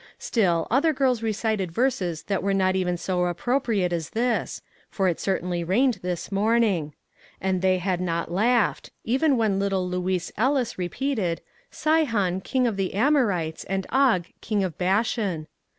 Still, other girls recited verses that were not even so ap propriate as this, for it certainly rained this morning ; and they had not laughed, even when 33 MAG'S WAGES little Louise Ellis repeated " Sihon, king of the Amorites, and Og, king of Bashan."